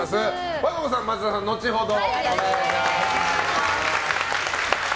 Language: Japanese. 和歌子さん、松田さんは後ほど。